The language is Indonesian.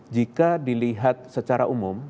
jika dilihat secara umum